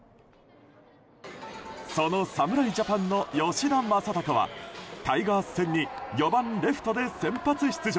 その侍ジャパンの吉田正尚はタイガース戦に４番レフトで先発出場。